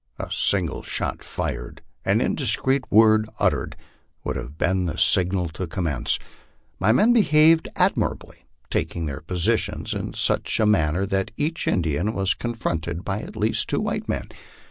A single shot fired, an indiscreet word uttered, would have been the signal to commence. My men behaved admirably, taking their positions in such manner that each In dian was confronted by at least two men.